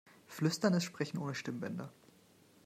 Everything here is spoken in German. Flüstern ist Sprechen ohne Stimmbänder.